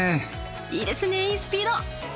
いいですねいいスピード。